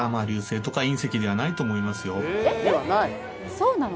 そうなの！？